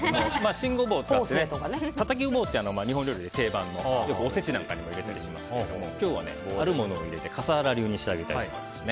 新ゴボウを使ってたたきゴボウって日本料理で定番のおせちなんかにも入れますけど今日はあるものを入れて笠原流に仕上げたいと思います。